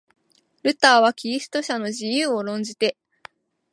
ルターはキリスト者の自由を論じて、